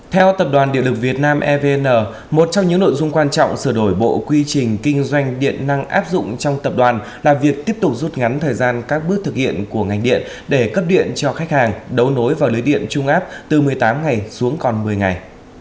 theo tập đoàn điện lực việt nam evn một trong những nội dung quan trọng sửa đổi bộ quy trình kinh doanh điện năng áp dụng trong tập đoàn là việc tiếp tục rút ngắn thời gian các bước thực hiện của ngành điện để cấp điện cho khách hàng đấu nối vào lưới điện trung áp từ một mươi tám ngày xuống còn một mươi ngày